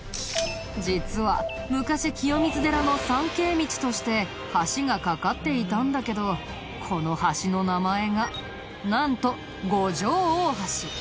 実は昔清水寺の参詣道として橋が架かっていたんだけどこの橋の名前がなんと五条大橋。